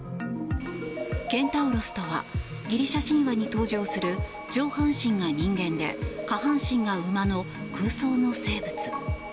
ケンタウロスとはギリシャ神話に登場する上半身が人間で下半身が馬の空想の生物。